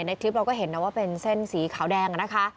ในคลิปเราก็เห็นนะว่าเป็นเส้นสีขาวแดงนะคะ